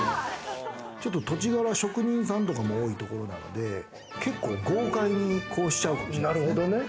ちょっと土地柄、職人さんとかも多いところなんで、結構豪快にこうちゃうのかも。